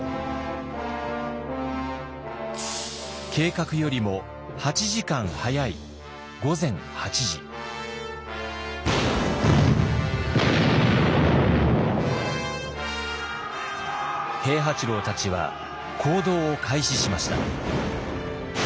計画よりも８時間早い平八郎たちは行動を開始しました。